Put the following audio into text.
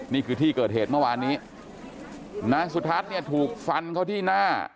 นี่คือที่เกิดเหตุเมื่อวานนี้นายสุทัศน์เนี่ยถูกฟันเขาที่หน้า